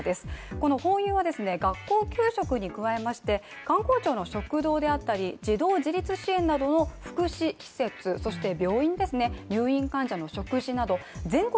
このホーユーは学校給食に加えまして官公庁の食堂であったり児童自立支援などの福祉施設、そして病院ですね、入院患者の食事など全国